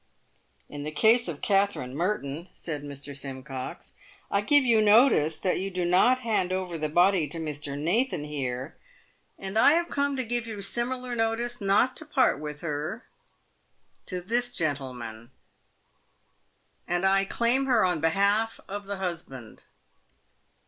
" In the case of Katherine Merton," said Mr. Simcox. "I give you notice that you do not hand over the body to Mr. Nathan here "" And I have come to give you similar notice not to part with her to this gentleman ; I claim her on behalf of the husband."